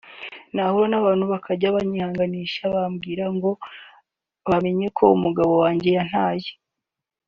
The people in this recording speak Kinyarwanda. nahura n’abantu bakajya banyihanganisha bambwira ngo bamenye ko umugabo wanjye yantaye …”